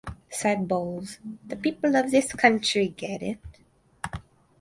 Said Bowles: The people of this country get it.